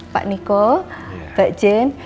pak niko mbak jen